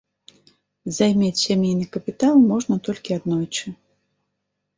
Займець сямейны капітал можна толькі аднойчы.